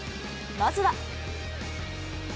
まずは。